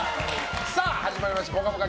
始まりました「ぽかぽか」